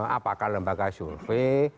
apakah lembaga survei